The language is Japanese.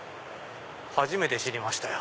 初めて知りましたよ。